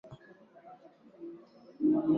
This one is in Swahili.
za eneo la Algeria upande wa kaskazini